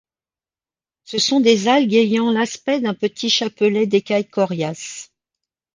Ce sont des algues ayant l'aspect d'un petit chapelet d'écailles coriaces.